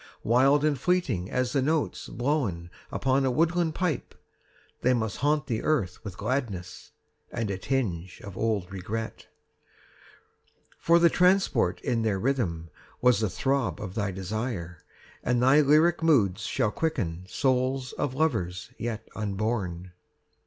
Wild and fleeting as the notes Blown upon a woodland pipe, 30 They must haunt the earth with gladness And a tinge of old regret. For the transport in their rhythm Was the throb of thy desire, And thy lyric moods shall quicken 35 Souls of lovers yet unborn.